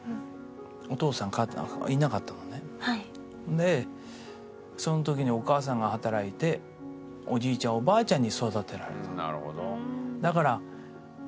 でその時にお母さんが働いておじいちゃんおばあちゃんに育てられたの。